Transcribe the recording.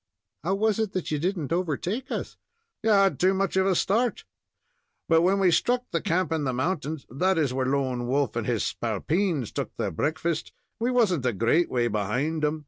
"How was it that you didn't overtake us?" "You had too much of a start; but when we struck the camp in the mountains that is, where Lone Wolf and his spalpeens took their breakfast we wasn't a great way behind 'em.